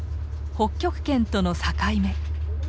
北極圏との境目。